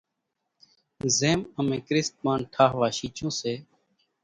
زيم امين ڪريست مانَ ٺاۿوا شيڇون سي،